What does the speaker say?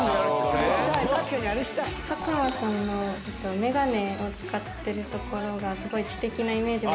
作間君の眼鏡を使っているところがすごい知的なイメージ。